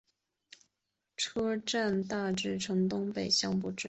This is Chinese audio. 车站呈大致南北向布置。